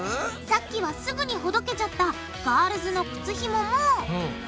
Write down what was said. さっきはすぐにほどけちゃったガールズの靴ひももうん。